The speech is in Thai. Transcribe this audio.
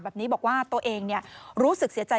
แบบนี้บอกว่าตัวเองรู้สึกเสียใจ